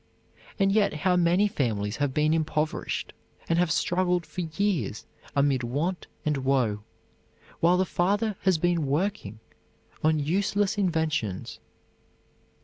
And yet how many families have been impoverished, and have struggled for years amid want and woe, while the father has been working on useless inventions.